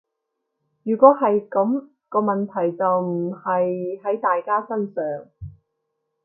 如果係噉，個問題就唔係喺大家身上